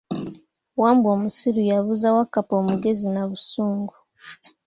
Wambwa omusiru yabuuza Wakkappa omugezi na busungu.